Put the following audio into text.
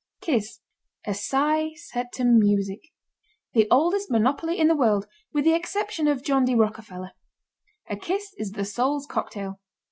KISS. A sigh set to music. The oldest monopoly in the world with the exception of John D. Rockerfeller. A kiss is the soul's cocktail.